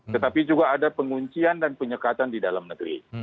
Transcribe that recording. tetapi juga ada penguncian dan penyekatan di dalam negeri